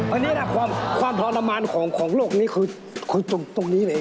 อันนี้ความทรมานของโลกนี้คือตรงนี้เลย